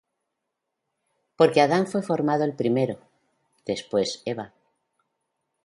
Porque Adam fué formado el primero, después Eva;